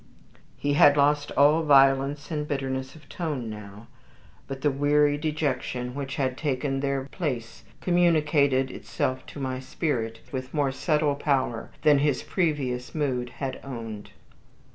He had lost all violence and bitterness of tone now; but the weary dejection which had taken their place communicated itself to my spirit with more subtle power than his previous mood had owned.